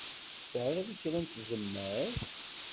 Tesɛiḍ kra n tzemmar?